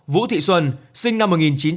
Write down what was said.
vũ thị xuân sinh năm một nghìn chín trăm tám mươi